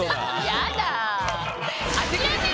やだ。